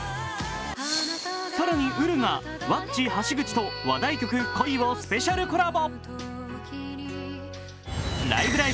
更にＵｒｕがｗａｃｃｉ・橋口と話題曲「恋」をスペシャルコラボ。